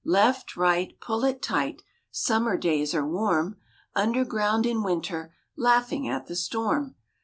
Left, right, pull it tight; Summer days are warm; Underground in winter, Laughing at the storm!